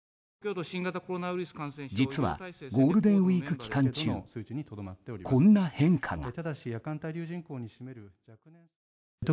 実はゴールデンウィーク期間中こんな変化が。